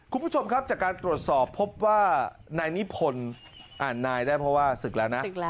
คุณผู้ชมครับจากการตรวจสอบพบว่านายนิพนธ์อ่านนายได้เพราะว่าศึกแล้วนะ